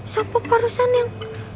siapa barusan yang